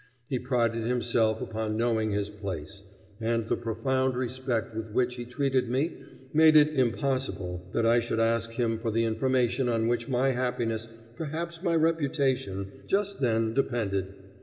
He prided himself upon knowing his place, and the profound respect with which he treated me made it impossible that I should ask him for the information on which my happiness, perhaps my reputation, just then depended.